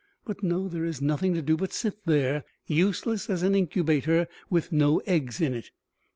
But no, there is nothing to do but sit there, useless as an incubator with no eggs in it.